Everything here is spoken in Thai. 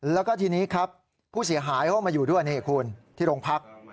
แล้วก็ทีนี้ครับผู้เสียหายเข้ามาอยู่ด้วยนี่คุณที่โรงพัก